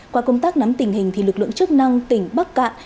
qua công tác nắm tình hình lực lượng chức năng tỉnh bắc cạn